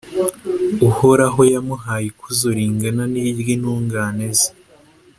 Uhoraho yamuhaye ikuzo ringana n’iry’intungane ze,